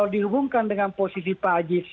dihubungkan dengan posisi pak aziz